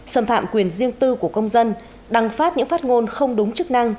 xâm phạm quyền riêng tư của công dân đăng phát những phát ngôn không đúng chức năng